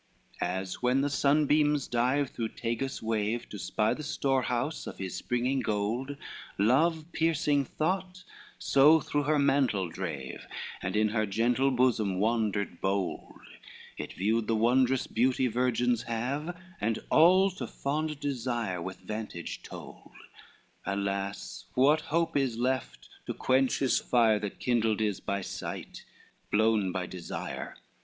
XXXII As when the sunbeams dive through Tagus' wave, To spy the store house of his springtime gold, Love piercing thought so through her mantle drave, And in her gentle bosom wandered bold; It viewed the wondrous beauty virgins have, And all to fond desire with vantage told, Alas! what hope is left, to quench his fire That kindled is by sight, blown by desire.